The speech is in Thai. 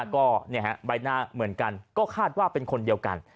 ก็ใบหน้าเหมือนกันก็คาดว่าเป็นคนเดียวกัน